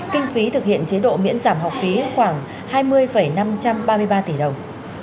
kinh phí thực hiện chế độ miễn giảm học phí khoảng hai mươi năm trăm ba mươi ba tỷ đồng